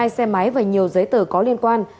hai xe máy và nhiều giấy tờ có liên quan